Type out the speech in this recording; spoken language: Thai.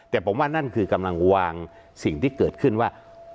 แต่ผมว่านั่นคือกำลังวางสิ่งที่เกิดขึ้นว่า